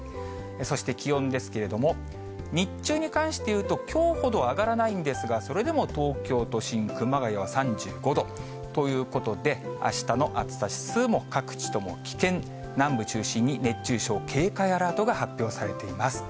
そして気温ですけれども、日中に関して言うと、きょうほど上がらないんですが、それでも東京都心、熊谷は３５度ということで、あしたの暑さ指数も、各地とも危険、南部中心に熱中症警戒アラートが発表されています。